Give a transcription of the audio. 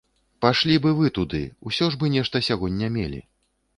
Пайшлі б і вы туды, усё ж бы нешта сягоння мелі.